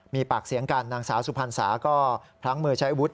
มีปากเสียงกันนางสาวสุพรรณสาก็พลั้งมือใช้อาวุธ